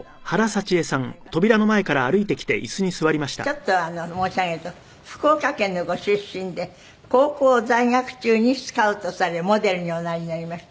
ちょっと申し上げると福岡県のご出身で高校在学中にスカウトされモデルにおなりになりました。